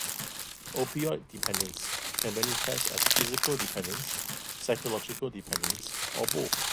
Opioid dependence can manifest as physical dependence, psychological dependence, or both.